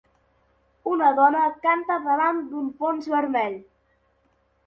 Una dona canta davant d'un fons vermell.